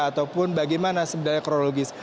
ataupun bagaimana sebenarnya kronologis